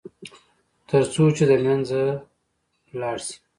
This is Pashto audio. تر څو چې د منځه لاړ شي.